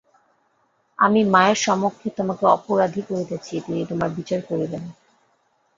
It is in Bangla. আমি মায়ের সমক্ষে তোমাকে অপরাধী করিতেছি, তিনি তোমার বিচার করিবেন।